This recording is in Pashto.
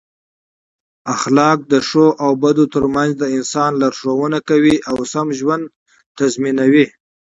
اخلاق د ښو او بدو ترمنځ د انسان لارښوونه کوي او سم ژوند تضمینوي.